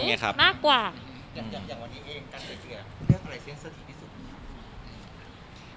อย่างวันนี้เองการเกิดเจือเลือกอะไรเซ็นเซอร์ทีที่สุด